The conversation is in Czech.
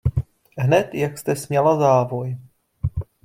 Hned jak jste sňala závoj.